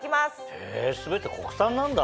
へぇ全て国産なんだ。